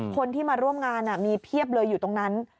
คนที่มาร่วมงานมีเพียบเลยอยู่ตรงนั้น